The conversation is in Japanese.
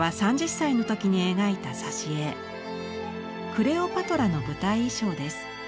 クレオパトラの舞台衣装です。